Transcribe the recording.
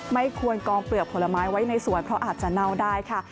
ไม่ควรกองเปลือกผลไม้ไว้ในสวนเพราะอาจจะเน่าได้ค่ะ